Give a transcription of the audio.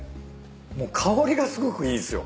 もう香りがすごくいいんすよ。